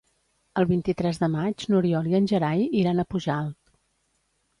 El vint-i-tres de maig n'Oriol i en Gerai iran a Pujalt.